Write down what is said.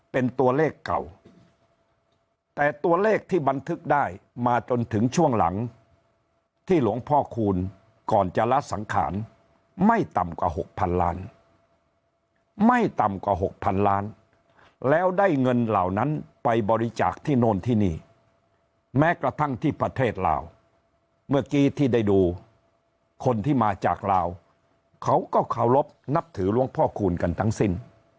เป็นตัวเลขเก่าแต่ตัวเลขที่บันทึกได้มาจนถึงช่วงหลังที่หลวงพ่อคูณก่อนจะละสังขารไม่ต่ำกว่า๖๐๐๐ล้านไม่ต่ำกว่าหกพันล้านแล้วได้เงินเหล่านั้นไปบริจาคที่โน่นที่นี่แม้กระทั่งที่ประเทศลาวเมื่อกี้ที่ได้ดูคนที่มาจากลาวเขาก็เคารพนับถือหลวงพ่อคูณกันทั้งสิ้น